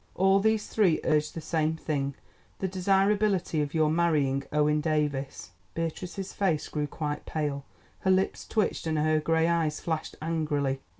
"All these three urged the same thing—the desirability of your marrying Owen Davies." Beatrice's face grew quite pale, her lips twitched and her grey eyes flashed angrily.